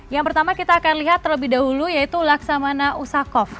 yang pertama kita akan lihat terlebih dahulu yaitu laksamana usakov